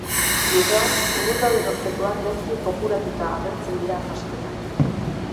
Lurrean, urrun dauden objektuak gaizki fokuratuta agertzen dira argazkietan.